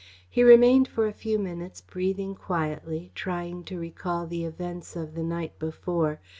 He remained for a few minutes, breathing quietly, trying to recall the events of the night before.